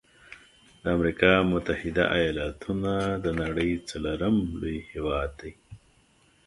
د امريکا متحده ایلاتونو د نړۍ څلورم لوی هیواد دی.